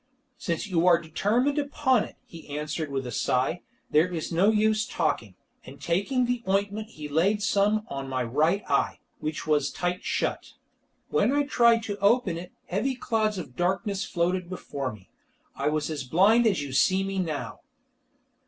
"Since you are determined upon it," he answered with a sigh, "there is no use talking," and taking the ointment he laid some on my right eye, which was tight shut. When I tried to open it heavy clouds of darkness floated before me. I was as blind as you see me now!